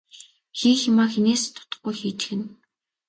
Хийх юмаа хэнээс ч дутахгүй хийчихнэ.